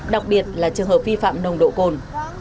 đặc biệt là trường hợp vi phạm nồng độ cồn